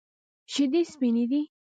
شیدې سپینې دي.